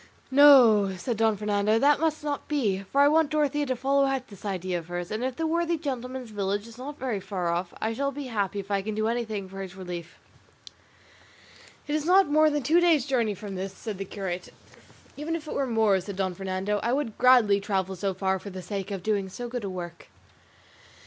"No," said Don Fernando, "that must not be, for I want Dorothea to follow out this idea of hers; and if the worthy gentleman's village is not very far off, I shall be happy if I can do anything for his relief." "It is not more than two days' journey from this," said the curate. "Even if it were more," said Don Fernando, "I would gladly travel so far for the sake of doing so good a work."